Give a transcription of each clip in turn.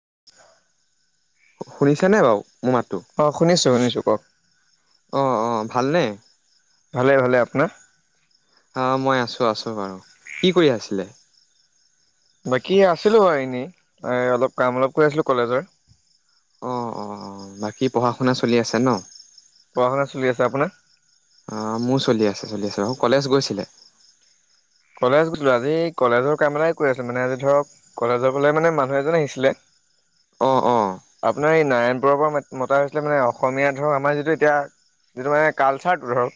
[unintelligible] শুনিছা নে বাও? মোৰ মাত টো। নিছো ক। অ অঁ ভালনে? ভালে ভালে আপোনাৰ? অ মই আছো আছো বাৰু কি কৰি আছিলে? বাকী আছিলো আৰু এনেই অলপ কাম অলপ কৰি আছিলো কলেজৰ। অঁ অঁ অ বাকী পঢ়া শুনা চলি আছে ন? পঢ়া শুনা চলি আছে আপোনাৰ? অ মোৰ চলি আছে চলি আছে, আৰু কলেজ গৈছিলে? কলেজ গ আজি কলেজৰ কাম এটাই কৈ আছে মানে আজি ধৰক কলেজৰ ফালে মানে মানুহ এজন আহিছিলে। অঁ অঁ আপোনাৰ এই নাৰায়ণপুৰৰ পৰা মতা হৈছিলে মানে অসমীয়া ধৰক আমাৰ যিটো এতিয়া যিটো মানে কালচাৰটো ধৰক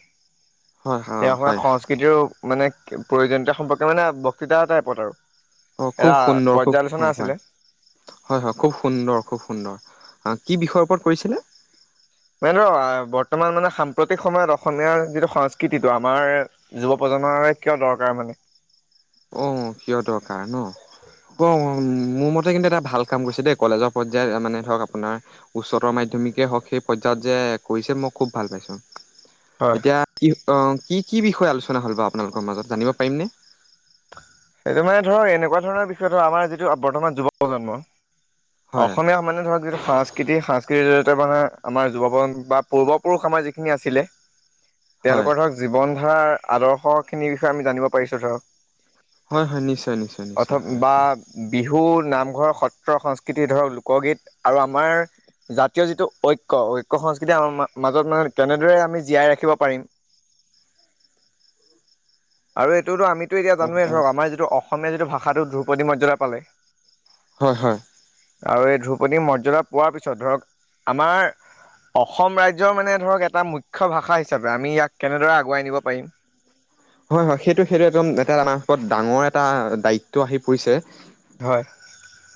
হয় অ', হয়। [unintelligible] সংস্কৃতিৰো মানে প্ৰয়োজনীয়তা সম্পৰ্কে মানে বক্তৃতা টাইপত আৰু। অ এটা খুব সুন্দৰ খুব অ পৰ্যালোচনা আছিলে হয় হয় হয় খুব সুন্দৰ খুব সুন্দৰ কি বিষয়ৰ ওপৰত কৰিছিলে? [unintelligible] বৰ্তমান মানে সাম্প্ৰতিক সময়ত অসমীয়াৰ যিটো সংস্কৃতিটো আমাৰ যুৱ প্ৰজন্মৰে কিয় দৰকাৰ মানে? অ', কিয় দৰকাৰ ন? অ', মোৰ মতে কিন্তু এটা ভাল কাম কৰিছে দেই কলেজৰ পৰ্যায়ত মানে ধৰক আপোনাৰ উচ্চতৰ মাধ্যমিকেই হওক সেই পৰ্যায়ত যে কৰিছে মই খুব ভাল পাইছোঁ। হয় এতিয়া কি অ কি কি বিষয়ে আলোচনা হ'ল বা আপোনালোকৰ মাজত জানিব পাৰিমনে? সেইটো মানে ধৰক এনেকুৱা ধৰণৰ বিষয় ধৰক আমাৰ যিটো বৰ্তমান যুৱ প্ৰজন্ম হয় অসমীয়া মানে ধৰক যিটো সংস্ক প্ৰকৃতিক স-সংস্কৃতিৰ জৰিয়তে মানে আমাৰ যুৱ বা পূৰ্বপুৰুষ আমাৰ যিখিনি আছিলে হয় তেওঁলোকৰ ধৰক জীৱন ধাৰ আদৰ্শখিনিৰ বিষয়ে আমি জানিব পাৰিছোঁ ধৰক। হয় হয় নিশ্চয় নিশ্চয় নিশ্চয় হয় হয়। ধু নামঘৰ সত্ৰ সংস্ক কৃতি ধৰক লোকগীত আৰু আমাৰ জাতীয় যিটো ঐক্য ঐক্য সংস্কৃতি আমাৰ মাজত মানে কেনেদৰে আমি জীয়াই ৰাখিব পাৰিম আৰু এইটোতো আমি এতিয়া অ জানোৱেই অ ধৰক আমাৰ যিটো অসম অসমীয়া যিটো ভাষাটো ধ্ৰুপদী মৰ্যাদা পালে হয় হয়। আৰু এই ধ্ৰুপদীৰ মৰ্যদা পোৱাৰ পিছত ধৰক আমাৰ অসম ৰাজ্যৰ মানে ধৰক এটা মুখ্য ভাষা হিচাপে আমি ইয়াক কেনেদৰে আগুৱাই নিব পাৰিম। হয় হয় সেইটো সেইটো একদম এটা আমাৰ ওৰত ডাঙৰ এটা দায়িত্ব আহি পৰিছে। হয়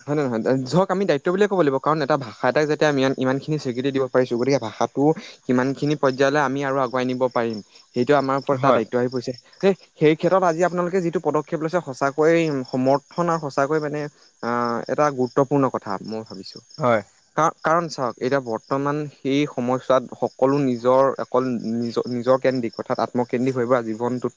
হয় নে [unintelligible] আমি দায়িত্ব বুলিয়ে ক'ব লাগিব কাৰণ এটা ভাষা এটাক যাতে আম ইমানখিনি স্বীকৃতি দিব পাৰিছো গতিকে ভাষাটো কিমান খিনি পৰ্যায়লৈ আমি আৰু আগুৱাই নি পাৰিম। সেইটো আমাৰ ওপৰত এতা হয় দায়িত্ব আহি পৰিছে। সে সেই ক্ষেত্ৰত আজি আপোনালোকে যিটো পদক্ষেপ লৈছে সচাকৈয় সমৰ্থন আৰু সঁচাকৈয় মানে আহ এটা গুৰুত্বপূৰ্ণ কথা মোৰ। ভাবিছোঁ হয় কাৰন কাৰণ চাওক এতিয়া বৰ্তমান সেই সময়ছোৱাত সকলো নিজৰ অকল নিজৰ নিজৰকেন্দ্ৰিক অৰ্থাৎ আত্মকেন্দ্ৰিক হৈ পৰা জীৱনটোত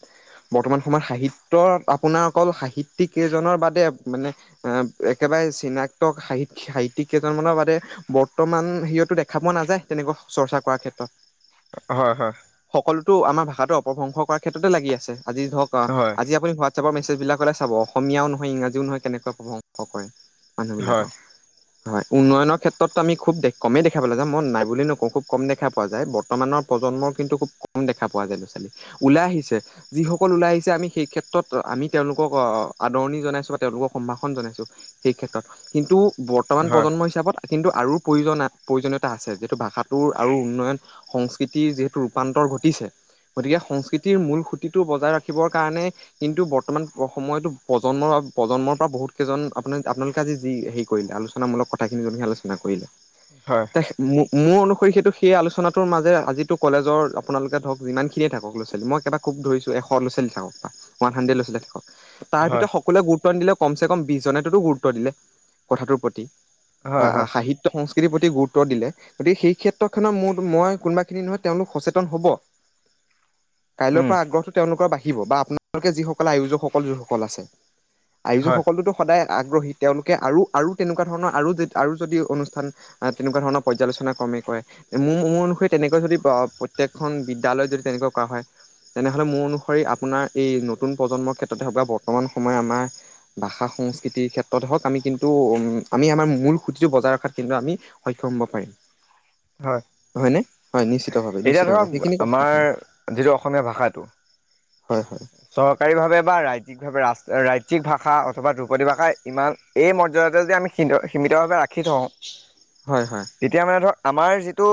বৰ্তমান সময়ত সাহিত্যত আপোনাৰ অকল সাহিত্যিক কেইজনৰ বাদে মানে এ একেবাৰে চিনাক্ত সাহিত সাহিত্যয়িক কেইজনৰ বাদে বৰ্তমান সিয়তো দেখা পোৱা নাযায় তেনেকুৱা চৰ্চা কৰাৰ ক্ষেত্ৰত হয় হয় তো আমাৰ ভাষাটো অপভংস কৰা ক্ষেত্ৰত ততে লাগি আছে আজি ধৰক অ হয় আজি আপুনি ৱাটচাপৰ মেছেজবিলাকলে চাব অসমীয়াও নহয় ইংৰাজীও নহয় কেনেকুৱা প্ৰশংস কৰে হয় মানুহবিলাকক হয় উন্নয়নৰ ক্ষেত্ৰতটো আমি খুব কমেই দেখা পালোঁ যে মই নাই বুলি নকওঁ খুব কম দেখা পোৱা যায় বৰ্তমানৰ প্ৰজন্মৰ কিন্তু খুব কম দেখা পোৱা যায় ল'ৰা ছোৱালী ওলাই আহিছে যিসকল ওলাই আহিছে আমি সেই ক্ষেত্ৰত আমি তেওঁলোকক আদৰণি জনাইছো বা তেওঁলোকক সম্ভাষণ জনাইছোঁ সেই ক্ষেত্ৰত কিন্তু বৰ্তমান হয় প্ৰজন্ম হিচাপত কিন্তু আৰু প্ৰয়োজন প্ৰয়োজনীয়তা আছে যিহেতু ভাষাটোৰ আৰু উন্নয়ন সংস্কৃতিৰ যিহেতু ৰূপান্তৰ ঘটিছে গতিকে সংস্কৃতিৰ মূল খুঁটিটো বজাই ৰাখিবৰ কাৰণে কিন্তু বৰ্তমান সময়তো প্ৰজন্মৰ প্ৰজন্মৰ পৰা বহুতকেইজন আপোনাৰ আপোনালোকে আজি যি হেৰি কৰিলে আলোচনামূলক কথাখিনিহে যেনেকে আলোচনা কৰিলে হয় ত [unintelligible] মোৰ অনুসৰি সেইটো সেই আলোচনাটোৰ মাজেৰে আজিতো কলেজৰ আপোনালোকে ধৰক যিমান খিনিয়ে থাকক ল'ৰা ছোৱালী মই কেবাক খুব ধৰিছো এশ উনৈছে লৈ থাকক ওৱান হানড্ৰেদ লৈছিলে তাৰ হয় ভিতৰত সকলোৱে গুৰুত্ব নিদিলে কম চে কম বিশজনেততো গুৰুত্ব দিলে কথাটোৰ প্ৰতি বা হয় হয় সাহিত্য সংস্কাৰ তিৰ প্ৰতি গুৰুত্ব দিলে গতিকে সেই ক্ষেত্ৰখনত মোৰ মই কোনোবাখিনি নহয় তেওঁলোক সচেতন হ'ব উম পৰা আগ্ৰহ টো তেওঁলোকৰ বাহি ব বা আপোনালোকে যিসকলে আয়োজক সকল যোনসকল আছে হয় আয়োজকসকলোতো সদায় আগ্ৰহী তেওঁলোকে আৰু আৰু তেনেকুৱা ধৰণৰ আৰু আৰু যদি অনুষ্ঠান তেনেকুৱা ধৰণৰ পৰ্যালোচনা ক্ৰমেই কৰে মোৰ মোৰ অনুসৰি তেনেকৈ যদি প্ৰত্যেকখন বিদ্যালয়ত যদি তেনেকুৱা কৰা হয় তেনেহ'লে মোৰ অনুসৰি আপোনাৰ এই নতুন প্ৰজন্মৰ ক্ষেত্ৰতে হওঁক বা বৰ্তমান সময়ত আমাৰ ভাষা সংস্কৃতিৰ ক্ষেত্ৰতে হওঁক আমি কিন্তু উ আমি আমাৰ মূল খুঁতিটো বজাই ৰখাত কিন্তু আমি সক্ষম হ'ব পাৰিম হয় হয়নে হয় নিশ্চিতভাৱ এতিয়া নিশ্চিতভাৱ ধৰক সেইখিনি কথা আমাৰ অসমীয়া ভাষাটো হয় হয় চৰকাৰী ভাৱে বা ৰাজ্যিক ভাৱে ৰা ৰাজি ৰাজিক ভাষা অথবা ধ্ৰুপদী ভাষা ইমান এই মৰ্যাদাতে যদি আমি সী সীমিতভাৱে ৰাখি থওঁ হয় হয় তেতিয়া মানে ধৰ আমাৰ যিটো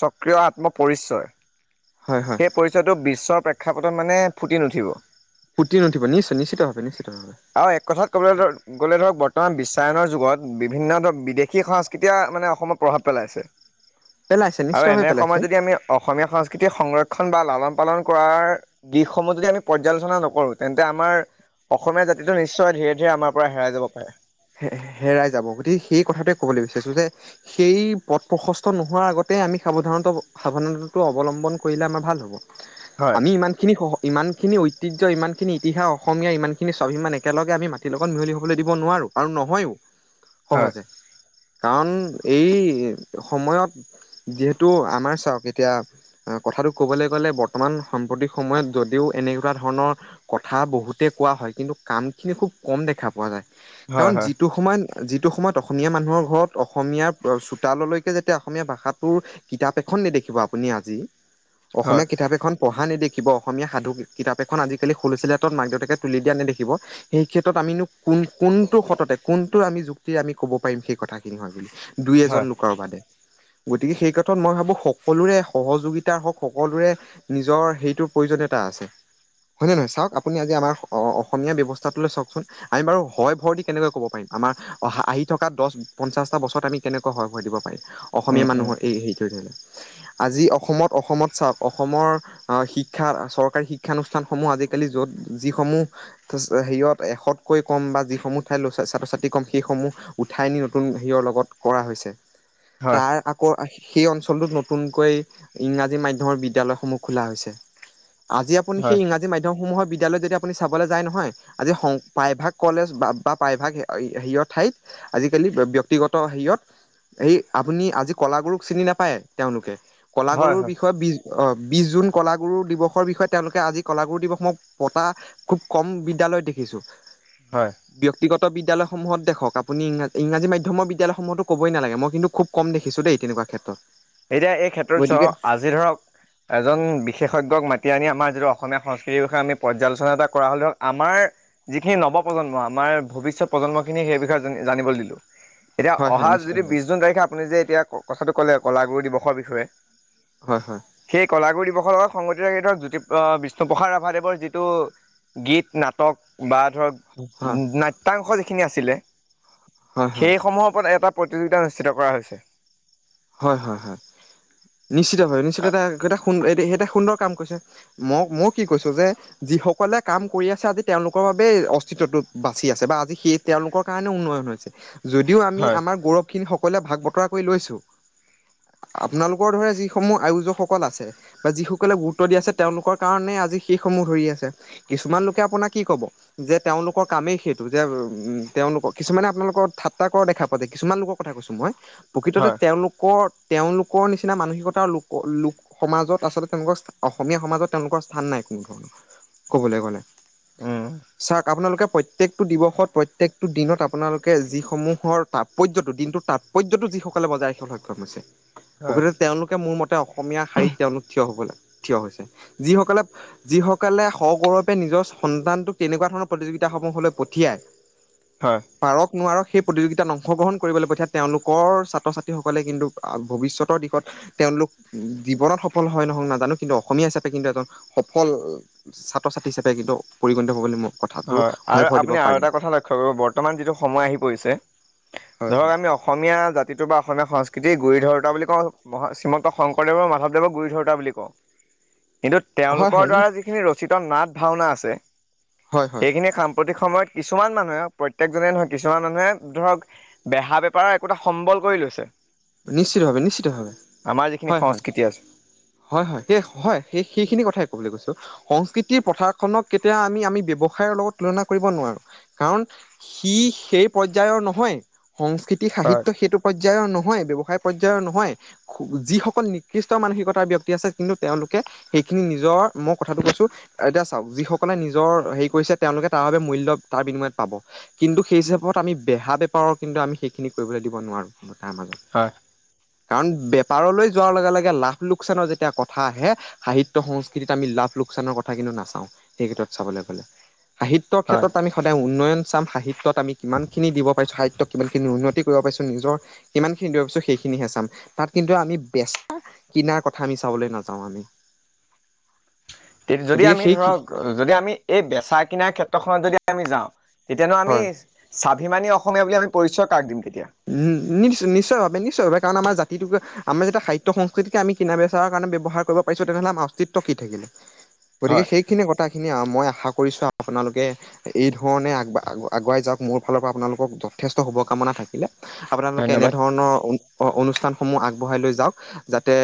স্বকীয় আত্মপৰিচয় হয় হয় সেই পৰিচয়টো বিশ্বৰ প্ৰেক্ষাপটত মানে ফুটি নুঠিব পুতি নুঠিব নিশ্চয় নিশ্চিতভাৱে নিশ্চিতভাৱে আৰু এক কথাত ক'বলৈ গ'লে ধৰক বৰ্তমান বিশ্ব ৰামায়নৰ যুগত বিভিন্ন ধৰ বিদেশী সংস্কৃতিয়ে মানে অসমত প্ৰভাৱ পেলাইছে পেলাইছে আৰু নিশ্চিতভাৱে এনে পেলাইছে সময়ত যদি আমি অসমীয়া সংস্কৃতি সংৰক্ষ খনবা লালন পালন কৰাৰ দৃশ্য অসমত যদি আমি পৰ্যালোচনা নকৰোঁ, তেন্তে আমাৰ অসমীয়া জাতিটো নিশ্চয় ধীৰে ধীৰে আমাৰ পৰা হেৰাই যাব পাৰে। হে হে হেৰাই যাব গতিকে সেই কথাটোৱে কবলৈ বিচাৰিছো যে, সেই পথ প্ৰশস্ত নোহোৱাৰ আগতে আমি সাৱধানতা সাৱধানতাটো অৱলম্বন কৰিলে আমাৰ ভাল হব। হয় আমি ইমান খিনি সহ ইমান। এইখিনি ঐতিহ্য ইমানখিনি ইতিহাস অসমীয়া ইমানখিনি স্বাভিমান একেলগে আমি মাটিৰ লগত মিহলি হ'বলৈ দিব নোৱাৰোঁ। আৰু নহয়ো। হয় সহজে কাৰণ এই সময়ত যিহেতু আমাৰ চাওক এতিয়া কথাটো ক'বলৈ গ'লে বৰ্তমান সাম্প্ৰতিক সময়ত যদিও এনেকুৱা ধৰণৰ কথা বহুতে কোৱা হয়, কিন্তু কামখিনি খুব কম দেখা পোৱা যায়। হয় কাৰণ হয় যিটো সন্মানীয়। যিটো সময়ত অসমীয়া মানুহৰ ঘৰত অসমীয়াৰ প চোতাললৈকে যেতিয়া অসমীয়া ভাষাটোৰ কিতাপ এখন নেদেখিব আপুনি আজি অসমীয়া হয় কিতাপ এখন পঢ়া অহা নেদেখিব অসমীয়া সাধু কিতাপ এখন আজিকালি হুলিচেল ৰেটত মাক দেউতাকে তুলি দিয়া নেদখিব। সেই ক্ষেত্ৰত আমিনো কোন কোন? তোৰহঁততে কোন? এইটো আমি যুক্তিৰে আমি ক'ব পাৰিম সেই কথাখিনি হয় বুলি। দুই এজন হয় লোকৰ বাদে গতিকে সেই কথাত মই ভাবো সকলোৰে সহযোগিতাৰ হওঁক সকলোৰে নিজৰ সেইটোৰ প্ৰয়োজনীয়তা আছে হয় নে নহয় চাওক আপুনি আজি আমাৰ অ অ অসমীয়া ব্যৱস্থাটো লৈ চাওকচোন আমি বাৰু হয় ভৰ দি কেনেকৈ ক'ব পাৰিম আমাৰ অহা আহি থকা দশ পঞ্চাশটা বছৰত আমি কেনেকৈ হয় ভয় দিব পাৰিম। উম অসমীয়া উম মানুহৰ এই হেৰিটোৱে ধৰিলে। আজি অসমত অসমত চাওক অসমৰ আ শিক্ষা চৰকাৰী শিক্ষানুষ্ঠানসমূহ আজিকালি য'ত যিসমূহ থস্ হেৰিয়ত এশতকৈ কম বা যিসমূহত ঠাইলৈ চাই ছাত্ৰ-ছাত্ৰী কম সেইসমূহ উঠাই নি নতুন হেৰিয়ৰ লগত কৰা হৈছে। হয় তাৰ আকৌ আশী সেই অঞ্চলটোত নতুনকৈ ইংৰাজী মাধ্যমৰ বিদ্যালয়সমূহ খোলা হৈছে। আজি আপুনি হয় হেই ইংৰাজী মাধ্যমসমূহত বিদ্যালয়ত যদি আপুনি চাবলৈ যায় নহয় আজি সংহ প্ৰাইভাগ কলেজ বাব- তাত প্ৰায়ভাগহে অয়ি হেৰিয়ৰ ঠাইত আজিকালি ব্যক্তিগত হেৰিয়ত, সেই আপুনি আজি কলাগুৰুক চিনি নাপায় তেওঁলোকে। কলা হয় গুৰুৰ হয় বিষয়ে বিশ অ বিশ জুন কলাগুৰু দিৱসৰ বিষয়ে তেওঁলোকে আজি কলাগুৰু দিৱস মই পতা খুব কম বিদ্যয়ালয়ত দেখিছো। হয়। ব্যক্তিগত বিদ্যালয়সমূহত দেখক আপুনি ইংৰা ইংৰাজী মাধ্যমৰ বিদ্যালয়সমূহতো ক'বই নেলাগে মই কিন্তু খুব কম দেখিছো দেই তেনেকুৱা ক্ষেত্ৰত। এতিয়া এই ক্ষেত্ৰত গতিকে চক আজি ধৰক এজন বিশেষজ্ঞক মাতি আনি আম আমাৰ যিটো অসমীয়া সংস্কৃতিৰ বিষয়ে আমি পৰ্যালোচনা এটা কৰা হ'লেও আমাৰ যিখিনি নৱপ্ৰজন্ম আমাৰ ভৱিষ্যত প্ৰজন্মখিনি সেই বিষয়ে জন জানিবলৈ দিলো। এতিয়া হয় হয় অহা নিশ্চিত যদি হয় বিশ জুন তাৰিখে আপুনি যে এতিয়াত কথাটো ক'লে কলাগুৰু দিৱসৰ বিষয়ে হয় হয় সেই কলাগুৰু দিৱসৰ লগত সংগত ধৰক জ্যোতি বিষ্ণুপ্ৰসাদ ৰাভাদেৱৰ যিটো গীত নাটক বা ধৰক হয় হয় নত্যাংশ খিনি আছিলে। হয় সেই সমূহৰ ওপৰত এটা প্ৰতিযোগিতা অনুষ্ঠিত কৰা হৈছে। হয় হয় হয়। নিশ্চিতভাৱ নিশ্চিত এটা এটা সুন সুন্দৰ কাম কৰিছে মোক মোক কি কৈছো যে যিসকলে কাম কৰি আছে আজি তেওঁলোকৰ বাবেই অস্তিত্বটো বাচি আছে বা আজি সেই তেওঁলোকৰ কাৰণে উন্নয়ন হৈছে। যদিও আমি হয় আমাৰ গৌৰৱখিনি সক অকলে ভাগ বতৰা কৰি লৈছোঁ। আপোনালোকৰ দৰে যিসমূহ আয়োজকসকল আছে বা যিসকলে গুৰুত্ব দি আছে তেওঁলোকৰ কাৰণে আজি সেই সমূহ ধৰি আছে কিছুমান লোকে আপোনাৰ কি কব যে তেওঁলোকৰ কামেই সেইটো যে উম তেওঁলোকক কিছুমানে আপোনালোকৰ ঠাট্টা কৰা দেখা পোৱা যায় কিছুমান লোকৰ কথা কৈছো মই। হয় প্ৰকৃততে লোক তেওঁলোকৰ নিচিনা মানসিকতাৰ লোক লোক সমাজত আচলতে তেওঁলোকৰ অসমীয়া সমাজত তেওঁলোকৰ স্থান নাই কোনো ধৰণৰ ক'বলৈ গ'লে। উম চাক আপোনালোকে প্ৰত্যেকটো দিৱসত প্ৰত্যেকটো দিনত আপোনালোকে যিসমূহৰ তাৎপৰ্যটো দিনটোৰ তাৎপৰ্যটো যিসকলে বজাই সক্ষম হৈছে। হয় প্ৰকৃত তেওঁলোকে মোৰ মতে অসমীয়া শাৰীত তেওঁলোক থিয় হ'ব লাগে। থিয় হৈছে যিসকলে যিসকলে সগৌৰৱে নিজৰ সন্তানটোক তেনেকুৱা ধৰণৰ প্ৰতিযোগিতাসমূহলৈ পঠিয়ায় হয় পাৰক নোৱাৰক সেই প্ৰতিযোগিতাত অংশগ্ৰহণ কৰিবলৈ পঠিয়াই তেওঁলোকৰ ছাত্ৰ ছাত ছ সকলে কিন্তু ভৱিষ্যতৰ দিশত তেওঁলোক জীৱনত সফল হয় নহওক নাজানো কিন্তু অসমীয়া হিচাপে কিন্তু এজন সফল ছাত্ৰ ছাত্ৰী হিচাপে কিন্তু পৰিগণিত হ'ব বুলি মই কথাটো হয় আৰু ভৰ দিব আপুনি আৰু পাৰিম এটা কথা লক্ষ্য কৰিব বৰ্তমান যিটো সময় আহি পৰিছে। হয় হয় ধৰক আমি অসমীয়া জাতিটো বা অসমীয়া সংস্কৃ কিন্তু এই গুৰি ধৰোতা বুলি ক মহা শ্ৰীমন্ত শংকৰদেৱৰ মাধৱদেৱৰ গুৰি ধৰোতা বুলি কওঁ। কিন্তু হয় তেওঁলোকৰ হয় দ্বাৰা যিখিনি ৰচিত নাট ভাওনা আছে হয় হয়, সেইখিনিয়ে সাম্প্ৰতিক সময়ত কিছুমান মানুহে প্ৰত্যেকজনেই নহয় কিছুমান মানুহে ধৰক বেহা বেপাৰৰ একোটা সম্বল কৰি লৈছে। নিশ্চিতভাৱে নিশ্চিতভাৱ আমাৰ যিখিনি সংস্কৃতি আছে হয় হয় সেইখিনি কথাই ক'ব বুলি কৈছো। সংস্কৃতিৰ পথাৰখনক কেতিয়া আমি আমি ব্যৱসায় লগত তুলনা কৰিব নোৱাৰো কাৰণ সি সেই পৰ্যায়ৰ নহয়। সংস্কৃতি হয় সাহিত্য সেইটো পৰ্যায়ৰ ন ব্যয়ৱসায় পৰ্যয়ায়ৰ নহয় যিসকল নিকৃষ্ট মানসিকতাৰ ব্যক্তি আছে। কিন্তু তেওঁলোকে সেইখিনি নিজৰ মই কথাটো কৈছো এতিয়া চাওক যিসকলে নিজৰ হেৰি কৰিছে তেওঁলোকে তাৰ বাবোবে মূল্য তাৰ বিনিময়ত পাব কিন্তু সেই হিচাপত আমি বেহা বেপাৰৰ কিন্তু আমি সেইখিনি কৰিবলৈ দিব নোৱাৰো তাৰ মাজত। হয় কাৰণ বেপাৰলৈ যোৱাৰ লগে লগে লাভ লোকচানৰ যেতিয়া কথা আহে সাহিত্য সংস্কৃতিত আমি লাভ লোকচানৰ কথা কিন্তু নাচাওঁ সেই ক্ষেত্ৰত চাবলৈ গ'লে সাহিত্যৰ হয় ক্ষেত্ৰত আমি সদায় উন্নয়ন চাম সাহিত্যত। আমি কিমান খিনি দিব পাৰিছো হাই। কিমানখিনি উন্নতি কৰিব পাৰিছো নিজৰ কিমান? কিন্তু পিছো সেইখিনিহে চাম তাত কিন্তু আমি বেচা কিনাৰ কথা আমি চাবলৈ নাযাওঁ আমি। তে যদি গতিকে আমি সেই ধৰক যদি আমি এই বেচা কিনাৰ ক্ষেত্ৰত। খত যদি আমি যাওঁ। তেতিয়াানো আমি হয় চ। অভিমানী অসমীয়া বুলি আমি পৰিচয় কাক দিম। তেতিয়া উম নিশ্চয় নিশ্চয় ভাৱ নিশ্চয় ভাবে কাৰণ আমাৰ জাতি। তিটো আমাৰ যেতিয়া সাহ্য সংস্কতিক আমি কিনা বেচাৰ কাৰণে ব্যৱহাৰ কৰিব পাৰছো তেতিয়া হ'লে আমাৰ অস্তিত্ব কি থাকিলে। গতিকে হয় সেইখিনি কথা। সেইখিনি মই আশা কৰিছোঁ আৰু আপোনালোকে এই ধৰণে আগ আগুৱাই যাওক মোৰ ফালৰ পৰা আপোনালোকক যথেষ্ট শুভকামনা থাকিলে। আপোনালোকে ধন্যবাদ এনেধৰণৰ। অনুষ্ঠানসমূহ আগবঢ়াই লৈ যাওক যাতে।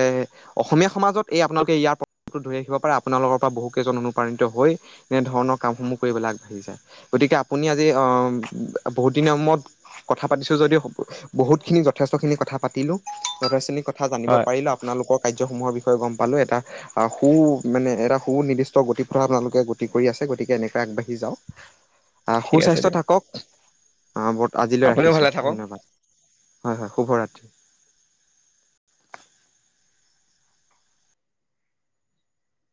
অসমীয়া সমাজত এই আপোনালোকে ইয়াৰ প্ৰভাৱটো ধৰি ৰাখিব পাৰে আপোনালোকৰ পৰা বহুকেইজন অনুপ্ৰাণিত হৈ এনেধৰণৰ কামসমূহ কৰিবলৈ আগবাঢ়ি যায় গতিকে আপুনি আজি বহুদিনৰ মূৰত কথা পাতিছোঁ যদিও। বহুতখিন যথেষ্টখিনি কথা পাতিলো। কথা জানিব হয় পাৰিলে আপোনালোকক। কাৰ্যসমূহৰ বিষয়ে গম পালো এটা সু মানে এটা সুনিৰ্দিষ্ট গতিপথ আপোনালোকে গতি কৰি আছে গতিকে এনেকৈ আগবাঢ়ি যাওঁ। আহ ঠিক আছে সুস্বাস্থ্য দিয়ক থাকক। অঁ বত আজিলৈ আপুনিও ৰাখিছোঁ ভালে থাকক ধন্যবাদ। হয় হয় শুভ ৰাত্ৰি।